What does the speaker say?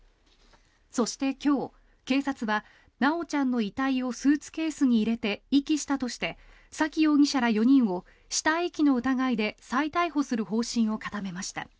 そして今日、警察は修ちゃんの遺体をスーツケースに入れて遺棄したとして沙喜容疑者ら４人を死体遺棄の疑いで再逮捕する方針を固めました。